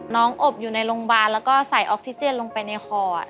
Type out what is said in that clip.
อบอยู่ในโรงพยาบาลแล้วก็ใส่ออกซิเจนลงไปในคอ